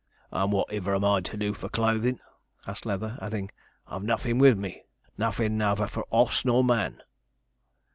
'And whativer am I to do for clothin'?' asked Leather, adding, 'I've nothin' with me nothin' nouther for oss nor man.'